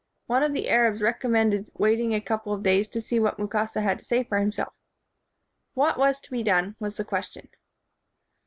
One of the Arabs recommended waiting a couple of days to see what Mukasa had to say for himself. 'What was to be done?' was the question."